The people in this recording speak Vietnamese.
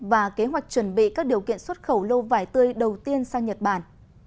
và kế hoạch chuẩn bị các điều kiện xuất khẩu lô vải tươi đầu tiên sang nhật bản